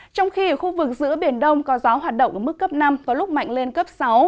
trong khi ở khu vực giữa biển đông có gió hoạt động ở mức cấp năm có lúc mạnh lên cấp sáu